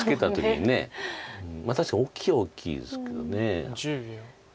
確かに大きいは大きいですけど。